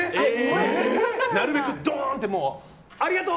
なるべく、どーんってありがとう！